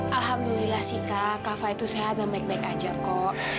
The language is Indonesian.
alhamdulillah sih kak kava itu sehat dan baik baik aja kok